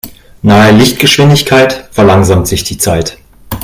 Nahe Lichtgeschwindigkeit verlangsamt sich die Zeit.